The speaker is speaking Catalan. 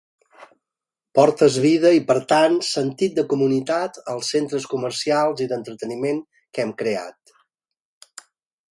Portes vida i, per tant, sentit de comunitat als centres comercials i d'entreteniment que hem creat.